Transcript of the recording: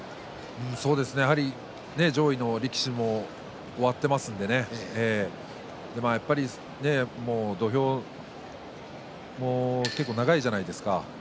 やはり上位の力士も終わっていますのででも、やっぱり土俵も長いじゃないですか。